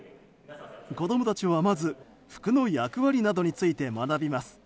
子供たちはまず服の役割などについて学びます。